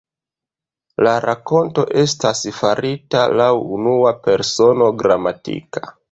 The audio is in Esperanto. La rakonto estas farita laŭ unua persono gramatika.